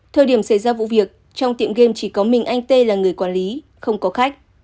thời điểm xảy ra vụ việc trong tiệm game chỉ có mình anh tê là người quản lý không có khách